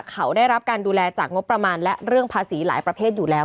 เขาได้รับการดูแลจากงบประมาณและเรื่องภาษีหลายประเภทอยู่แล้ว